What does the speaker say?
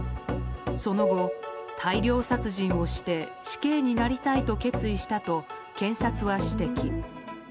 その後、大量殺人をして死刑になりたいと決意したと検察は指摘。